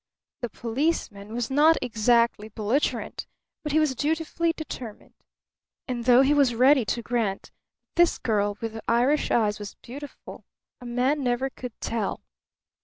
The policeman was not exactly belligerent, but he was dutifully determined. And though he was ready to grant that this girl with the Irish eyes was beautiful, a man never could tell.